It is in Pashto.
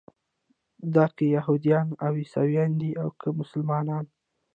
دا که یهودیان او عیسویان دي او که مسلمانان.